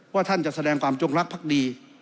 ว่าท่านจะแสดงความจงลักษณ์พรรคดี